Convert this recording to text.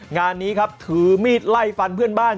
งานนี้ครับถือมีดไล่ฟันเพื่อนบ้าน